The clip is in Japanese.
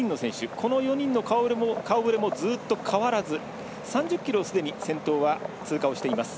この４人の顔ぶれもずっと変わらず３０ｋｍをすでに先頭は通過をしています。